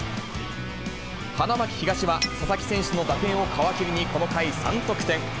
花巻東は、佐々木選手の打点を皮切りに、この回３得点。